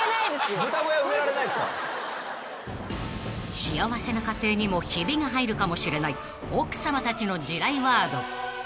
［幸せな家庭にもひびが入るかもしれない奥さまたちの地雷ワード］